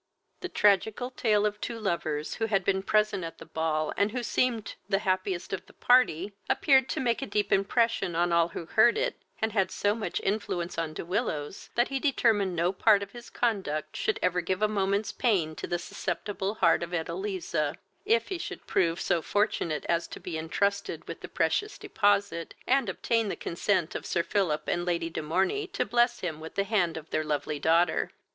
The tragical tale of two lovers, who had been present at the ball, and who seemed the happiest of the party, appeared to make a deep impressions on all who heard it, and had so much influence on De Willows, that he determined no part of his conduct should ever give a moment's pain to the susceptible heart of Edeliza, if he should prove so fortunate as to be entrusted with the precious deposit, and obtain the consent of Sir Philip and Lady de Morney to bless him with the hand of their lovely daughter.